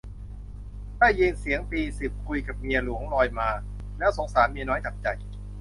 ได้ยินเสียงตีสิบคุยกับเมียหลวงลอยมา แล้วสงสารเมียน้อยจับใจ